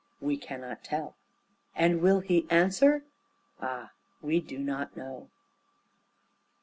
We cannot tell; And will He answer? Ah, we do not know.